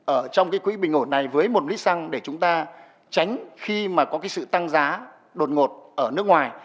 ở trong cái quỹ bình ổn này với một lít xăng để chúng ta tránh khi mà có cái sự tăng giá đột ngột ở nước ngoài